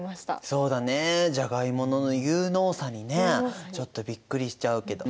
そうだねジャガイモの有能さにねちょっとびっくりしちゃうけど。